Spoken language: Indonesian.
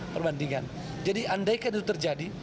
perbandingan jadi andaikan itu terjadi